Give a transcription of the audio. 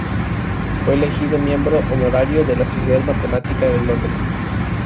Fue elegido miembro honorario de la Sociedad Matemática de Londres.